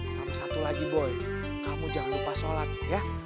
sama satu lagi boy kamu jangan lupa sholat ya